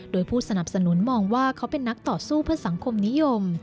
โดยผู้สนับสนุนมองว่าเขาเป็นนักต่อสู้เพื่อสังคมนิยม